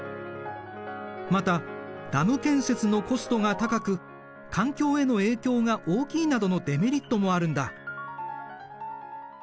またダム建設のコストが高く環境への影響が大きいなどのデメリットもあるんだ。